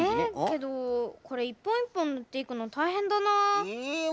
けどこれ１ぽん１ぽんぬっていくのたいへんだな。え？